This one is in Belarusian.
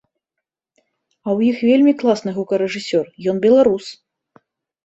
А ў іх вельмі класны гукарэжысёр, ён беларус.